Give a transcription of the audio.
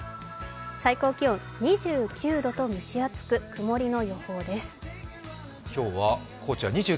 最高気温２９度と蒸し暑く、曇りの予報です。